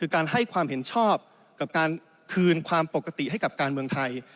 คือการให้ความเห็นชอบกับการคืนความปกติให้กับการเมืองไทย